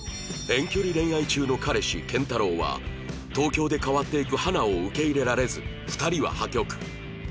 遠距離恋愛中の彼氏健太郎は東京で変わっていく花を受け入れられず２人は破局